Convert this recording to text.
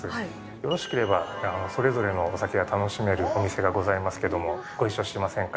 よろしければ、それぞれのお酒が楽しめるお店がございますけども、ご一緒しませんか？